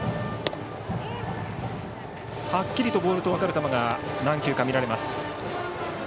はっきりとボールと分かる球が何球か見られます。